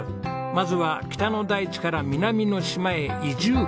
まずは北の大地から南の島へ移住。